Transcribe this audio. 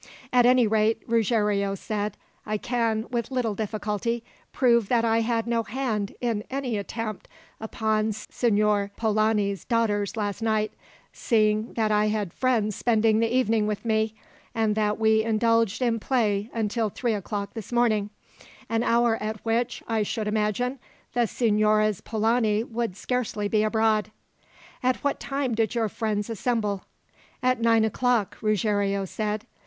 "At any rate," Ruggiero said, "I can, with little difficulty, prove that I had no hand in any attempt upon Signor Polani's daughters last night, seeing that I had friends spending the evening with me, and that we indulged in play until three o'clock this morning an hour at which, I should imagine, the Signoras Polani would scarcely be abroad." "At what time did your friends assemble?" "At nine o'clock," Ruggiero said.